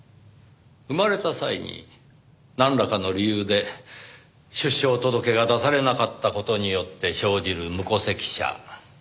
生まれた際になんらかの理由で出生届が出されなかった事によって生じる無戸籍者。